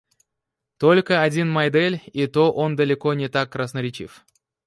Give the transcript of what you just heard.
Только один Майдель, и то он далеко не так красноречив.